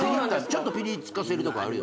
ちょっとピリつかせるとこあるよね。